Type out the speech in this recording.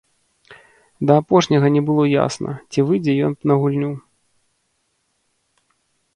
Да апошняга не было ясна, ці выйдзе ён на гульню.